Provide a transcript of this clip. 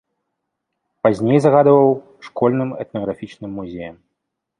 Пазней загадваў школьным этнаграфічным музеем.